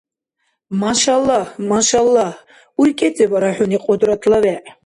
Машааллагь, машааллагь, уркӀецӀибара хӀуни, Кьудратла вегӀ.